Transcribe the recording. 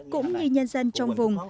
cũng như nhân dân trong vùng